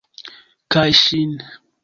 Kaj ŝin.